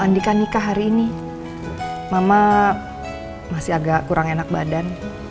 andika nikah hari ini mama masih agak kurang enak badan